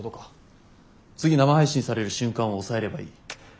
次生配信される瞬間を押さえればいい。